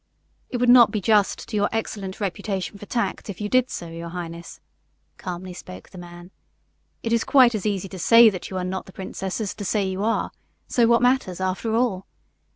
"It would not be just to your excellent reputation for tact if you did so, your highness," calmly spoke the man. "It is quite as easy to say that you are not the princess as to say that you are, so what matters, after all?